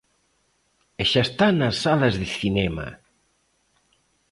E xa está nas salas de cinema!